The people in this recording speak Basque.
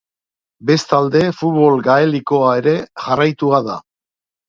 Bestalde Futbol gaelikoa ere jarraitua da.